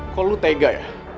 kok lo tega ya